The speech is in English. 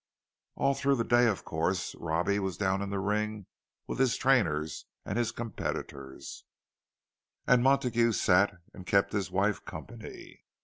All through the day, of course, Robbie was down in the ring with his trainers and his competitors, and Montague sat and kept his wife company.